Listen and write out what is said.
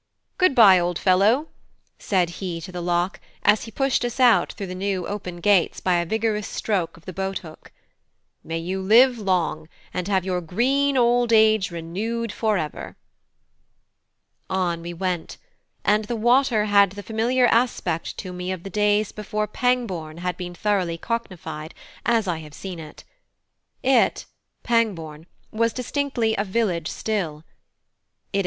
Good bye, old fellow!" said he to the lock, as he pushed us out through the now open gates by a vigorous stroke of the boat hook. "May you live long, and have your green old age renewed for ever!" On we went; and the water had the familiar aspect to me of the days before Pangbourne had been thoroughly cocknified, as I have seen it. It (Pangbourne) was distinctly a village still _i.e.